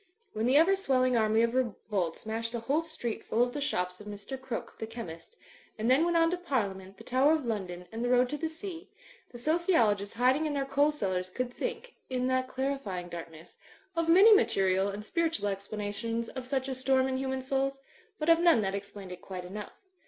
When the ever swelling army of revolt smashed a whole street full of the shops of Mr. Crooke, the chemist, and then went on to Parliament, the Tower of London and the road to the sea, the sociologists hiding in their coal cellars could think (in that clarifying darkness) of many material and spiritual explanations of such a storm in human souls; but of none that explained it quite enough.